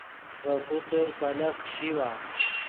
ڤے پوسر پیلف پیشیوا